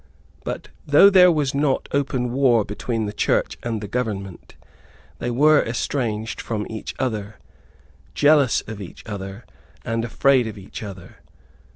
But, though there was not open war between the Church and the Government, they were estranged from each other, jealous of each other, and afraid of each other.